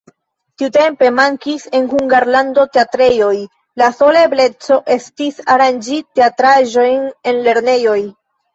Tiutempe mankis en Hungarlando teatrejoj, la sola ebleco estis aranĝi teatraĵojn en lernejoj.